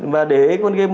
và để con game